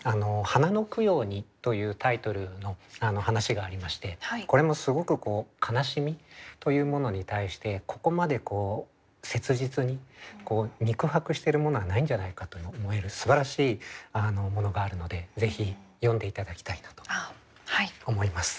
「花の供養に」というタイトルの話がありましてこれもすごくこう悲しみというものに対してここまで切実に肉薄してるものはないんじゃないかと思えるすばらしいものがあるのでぜひ読んで頂きたいなと思います。